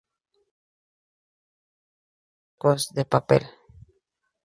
Gira Barcos de papel".